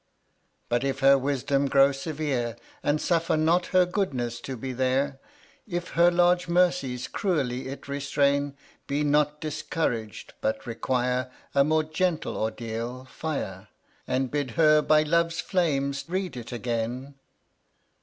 But if her wisdom grow severe, And suffer not her goodness to be there; If her large mercies cruelly it restrain; Be not discourag'd, but require A more gentle ordeal fire, And bid her by love's flames read it again.